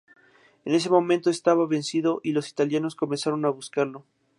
En ese momento estaba vencido y los italianos comenzaron a buscarlo.